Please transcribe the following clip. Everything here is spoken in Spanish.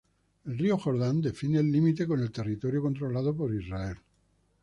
El río Jordan define el límite con el territorio controlado por Israel.